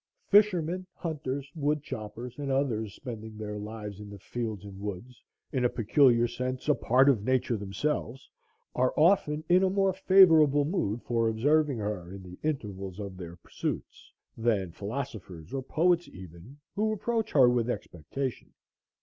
Fishermen, hunters, woodchoppers, and others, spending their lives in the fields and woods, in a peculiar sense a part of Nature themselves, are often in a more favorable mood for observing her, in the intervals of their pursuits, than philosophers or poets even, who approach her with expectation.